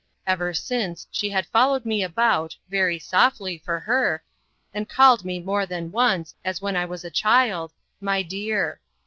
Ever since she had followed me about, very softly, for her, and called me more than once, as when I was a child, "my dear."